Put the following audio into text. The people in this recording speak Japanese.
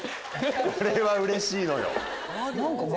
これはうれしいのよ。